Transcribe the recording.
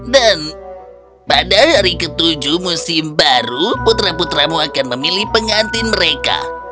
dan pada hari ketujuh musim baru putra putramu akan memilih pengantin mereka